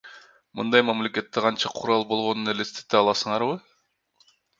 Мындай мамлекетте канча курал болгонун элестете аласыңарбы?